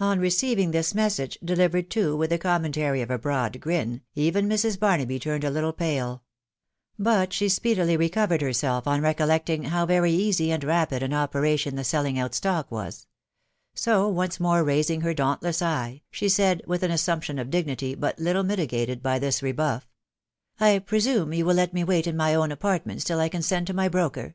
On receiving this message, delivered, too, with the com mentary of a broad grin, even Mrs. Barnaby turned a little pale ; bat she speedily recovered herself on recollecting how very easy and rapid an operation the selling out stock was ; so, once more raising her dauntless eye, she said, with an assumption of dignity but little mitigated by this rebuff, ...." I presume you will let me wait in my own apartments till I can send to my broker